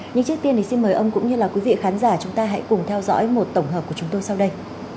nhưng trước tiên thì xin mời ông cũng như là quý vị khán giả chúng ta hãy cùng theo dõi một tổng hợp của chúng tôi sau đây